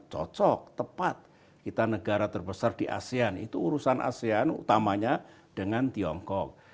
cocok tepat kita negara terbesar di asean itu urusan asean utamanya dengan tiongkok